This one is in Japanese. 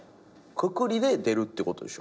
くくりで出るってことでしょ。